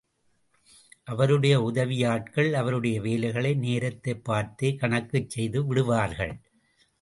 அவருடைய உதவியாட்கள், அவருடைய வேலைகளை நேரத்தைப் பார்த்தே கணக்குச் செய்து விடுவார்கள்.